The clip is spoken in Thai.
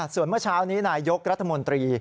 ส่วนเมื่อเช้านี้นายยกรัฐมนตรี